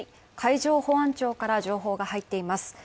海上保安庁から情報が入っています。